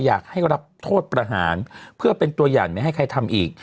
อยากให้รับโทษประหารเพื่อเป็นตัวอย่างไม่ให้ใครทำอีก